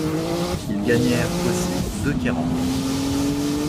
Ils gagnèrent aussi deux Kerrang!